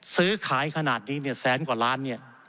ซื้อขายขนาดนี้เนี่ยแสนกว่าล้านเนี่ย